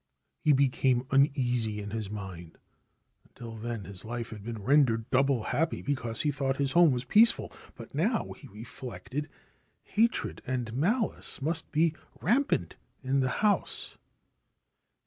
He became uneasy in his mind. Until then his life had been rendered doubly happy because he thought his home was peaceful ; but now, he reflected, hatred and malice must be rampant in the house.